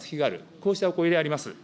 こうしたお声であります。